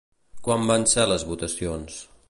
Quan van ser les votacions?